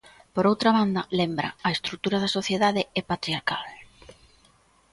Por outra banda, lembra, "a estrutura da sociedade é patriarcal".